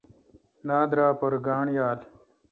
نادرا پر گانٹھ یال۔